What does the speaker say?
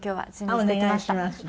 お願いします。